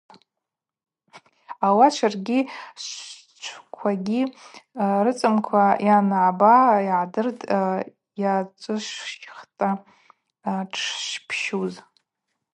Ауат шваргьи швычвквагьи рыцымкӏва йаныгӏба, йыгӏдыртӏ, йацӏышвщтта штшпсшвщуз.